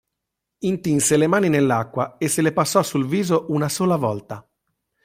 Intinse le mani nell'acqua e se le passò sul viso una sola volta.